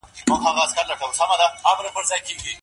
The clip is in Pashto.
هر مور او پلار د اولادونو د ښه ژوند جوړولو اراده لري.